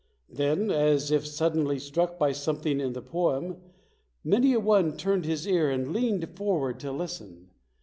Then, as if suddenly struck by something in the poem, many a one turned his ear and leaned forward to listen.